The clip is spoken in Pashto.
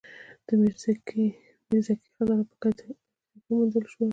د میرزکې خزانه په پکتیا کې وموندل شوه